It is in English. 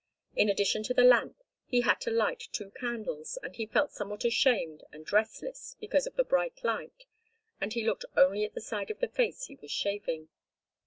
In addition to the lamp, he had to light two candles, and he felt somewhat ashamed and restless because of the bright light, and he looked only at the side of the face he was shaving.